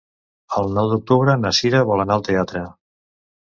El nou d'octubre na Sira vol anar al teatre.